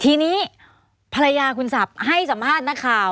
ทีนี้ภรรยาคุณสับให้สัมภาษณ์นักข่าว